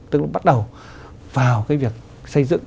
tức là bắt đầu vào cái việc xây dựng